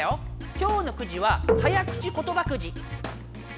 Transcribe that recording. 今日のくじは早口言葉くじ。